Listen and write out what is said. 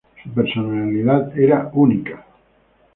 Su personalidad era única.